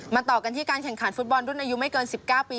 ต่อกันที่การแข่งขันฟุตบอลรุ่นอายุไม่เกิน๑๙ปี